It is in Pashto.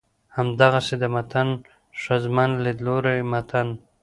همدغسې د متن ښځمن ليدلورى متن